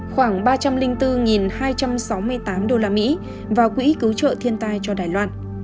khoảng ba trăm linh bốn hai trăm sáu mươi tám usd vào quỹ cứu trợ thiên tai cho đài loan